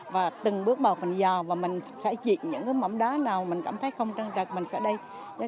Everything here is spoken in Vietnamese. và từng bước bọc mình dò và mình sẽ diệt những cái mẫm đá nào mình cảm thấy không trăng trực mình sẽ đi